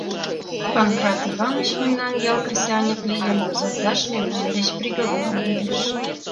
— Панкрат Иваныч мемнан ял кресаньык лийын возалташ мемнан деч приговорым йодеш.